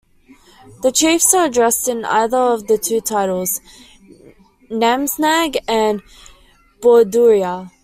The chiefs are addressed in either of the two titles: Namsang and Borduria.